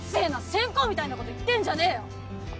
先公みたいなこと言ってんじゃねえよ。